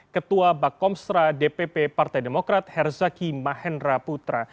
ketua bakomstra dpp partai demokrat herzaki mahendra putra